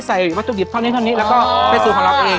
ใส่วัตถุดิบเท่านี้แล้วก็ไปสู้ของเราเอง